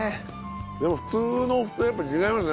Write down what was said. でも普通のお麩とやっぱ違いますね。